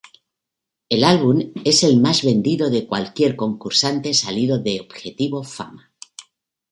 El álbum es el más vendido de cualquier concursante salido de Objetivo Fama.